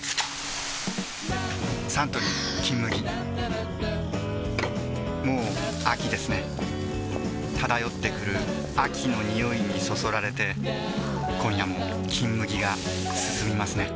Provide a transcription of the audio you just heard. サントリー「金麦」もう秋ですね漂ってくる秋の匂いにそそられて今夜も「金麦」がすすみますね